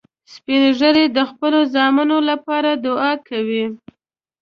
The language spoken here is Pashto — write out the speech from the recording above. سپین ږیری د خپلو زامنو لپاره دعا کوي